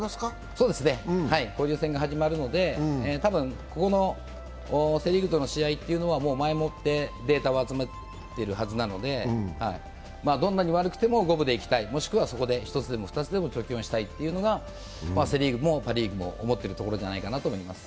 そうですね、交流戦が始まるので多分ここのセ・リーグとの試合というのは、前もってデータを集めているはずなのでどんなに悪くても五分でいきたい、もしくはそこで１つでも２つでも貯金をしたいというのはセ・リーグもパ・リーグも思っているところだと思います。